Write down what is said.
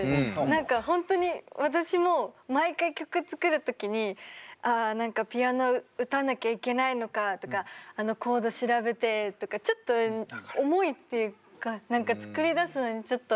何か本当に私も毎回曲作る時にあ何かピアノ打たなきゃいけないのかとかあのコード調べてとかちょっと重いっていうか何か作り出すのにちょっと結構気合いが必要なんですけど。